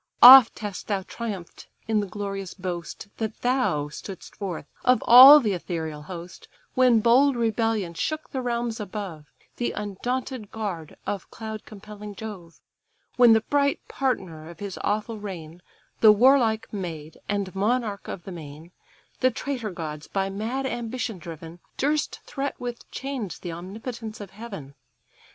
Oft hast thou triumph'd in the glorious boast, That thou stood'st forth of all the ethereal host, When bold rebellion shook the realms above, The undaunted guard of cloud compelling Jove: When the bright partner of his awful reign, The warlike maid, and monarch of the main, The traitor gods, by mad ambition driven, Durst threat with chains the omnipotence of Heaven.